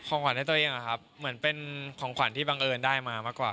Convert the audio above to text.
ขวัญให้ตัวเองอะครับเหมือนเป็นของขวัญที่บังเอิญได้มามากกว่า